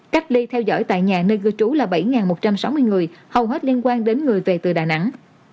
cách ly theo dõi tại nhà nơi cư trú là bảy một trăm sáu mươi người hầu hết liên quan đến người về từ đà nẵng